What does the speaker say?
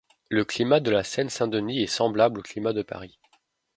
Le climat de la Seine-Saint-Denis est semblable au climat de Paris.